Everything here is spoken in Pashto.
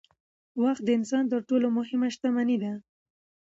وخت د انسان تر ټولو مهمه شتمني ده